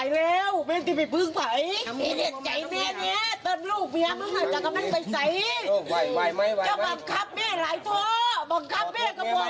เฮ้ยแม่